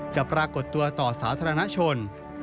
ปรากฏตัวต่อสาธารณชน